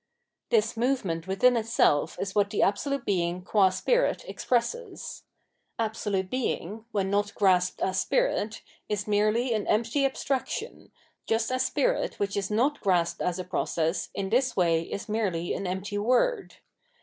This movement within itself is what the absolute Being qua Spirit expresses. Absolute Being, when not grasped as Spirit, is merely an empty abstraction, just as spirit which is not grasped as a process in this way is merely an empty word.